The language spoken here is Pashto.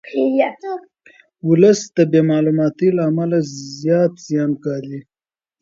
ولس د بې معلوماتۍ له امله زیات زیان ګالي.